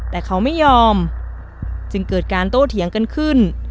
แต่เขาไม่ยอมจึงเกิดการโต้เถียงกันขึ้น